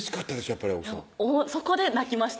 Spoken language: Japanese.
やっぱり奥さんそこで泣きました